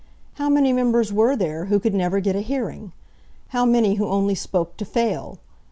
How many members were there who could never get a hearing! How many who only spoke to fail!